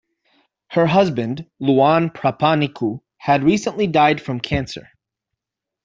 Her husband, Luan Prapaniku, had recently died from cancer.